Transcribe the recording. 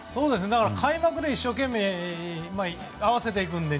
開幕に一生懸命合わせていくんで。